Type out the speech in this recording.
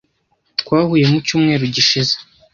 Twahuye mu cyumweru gishize.